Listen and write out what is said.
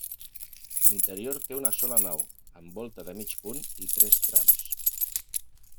L'interior té una sola nau, amb volta de mig punt i tres trams.